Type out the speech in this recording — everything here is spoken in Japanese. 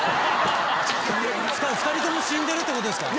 ２人とも死んでるってことですか